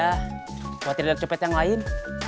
kalau tidak ada copet yang lain